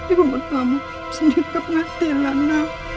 ibu buat kamu sendiri ke pengadilan